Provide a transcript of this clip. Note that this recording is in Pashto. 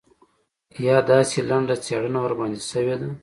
یا داسې لنډه څېړنه ورباندې شوې ده.